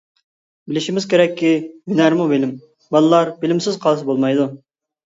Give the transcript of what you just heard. بىلىشىمىز كېرەككى، ھۈنەرمۇ بىلىم، بالىلار بىلىمسىز قالسا بولمايدۇ.